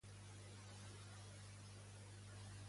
Qui va ser el seu segon espòs?